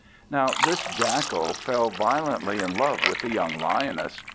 Now this Jackal fell violently in love with the young Lioness.